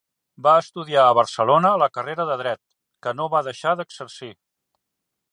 Va estudiar a Barcelona la carrera de Dret, que no va deixar d'exercir.